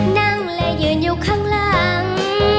นั่งและยืนอยู่ข้างหลัง